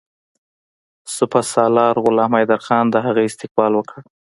سپه سالار غلام حیدرخان د هغه استقبال وکړ.